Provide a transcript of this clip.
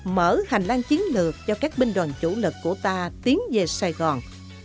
mở hành lang chiến lược cho các binh đoàn chủ lực của ta tiến về sài gòn